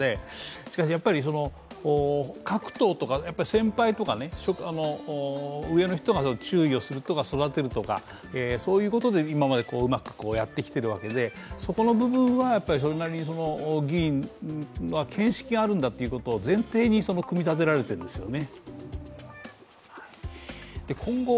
しかしやっぱり各党とか先輩とか上の人が注意をするとか育てるとかそういうことで今までうまくやってきているわけでそこの部分はそれなりに議員は見識があるんだということを前提に組み立てられているんですよね。